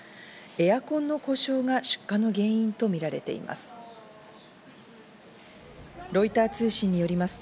エアコンの故障が出火の原因とみられています。